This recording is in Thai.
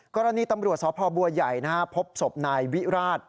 กรณีตำรวจสพบัวใหญ่พบศพนายวิราช